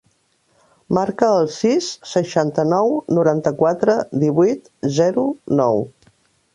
Marca el sis, seixanta-nou, noranta-quatre, divuit, zero, nou.